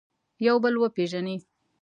یو بل وپېژني.